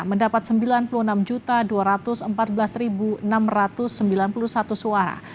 mendapat sembilan puluh enam dua ratus empat belas enam ratus sembilan puluh satu suara